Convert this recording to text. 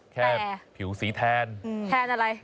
แค่ผิวสีแทนแทนอะไร